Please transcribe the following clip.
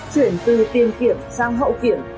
chuyển từ tiền kiểm sang hậu kiểm